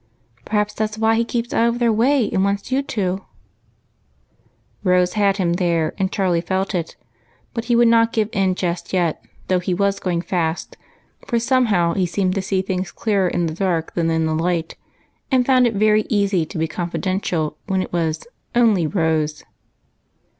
" Perhaps that 's why he keeps out of their way, and wants you to." PEA CE MA KING. 275 Rose had liini there, and Charlie felt it, but would not give in just yet, though he was going fast, for, somehow, in the dark he seemed to see things clearer than in the light, and found it very easy to be confi dential when it was " only Rose."